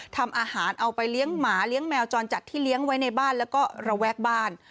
ทำอาหารเอาไปเลี้ยงหมาเลี้ยงแมวจรจัดที่เลี้ยงไว้ในบ้านแล้วก็ระแวกบ้าน